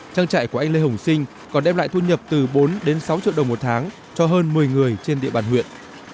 trang trại của anh lê hồng sinh còn đem lại thu nhập từ bốn đến sáu triệu đồng một tháng cho hơn một mươi người trên địa bàn huyện